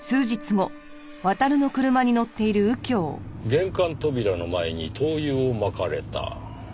玄関扉の前に灯油を撒かれた。